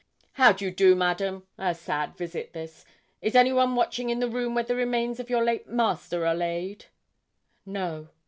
'How do you do, Madam? A sad visit this. Is anyone watching in the room where the remains of your late master are laid?' 'No.'